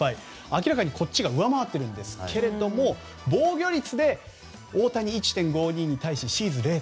明らかに大谷選手が上回っているんですけども防御率で大谷１．５２に対しシーズ、０．３３。